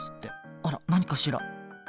あら何かしら？